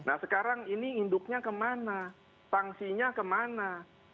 nah sekarang ini induknya kemana sanksinya kemana